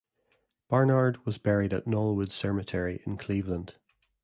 Barnard was buried at Knollwood Cemetery in Cleveland.